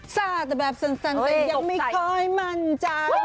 ซ่าแต่แบบสั่นแต่ยังไม่ค่อยมั่นใจ